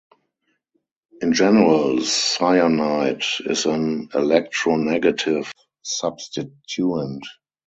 In general, cyanide is an electronegative substituent.